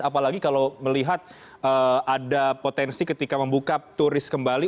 apalagi kalau melihat ada potensi ketika membuka turis kembali